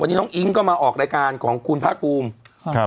วันนี้น้องอิ๊งก็มาออกรายการของคุณภาคภูมิครับ